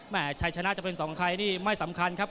แม่ไชยชนะจะเป็นสองครับไม่สำคัญครับ